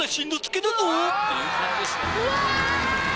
うわ！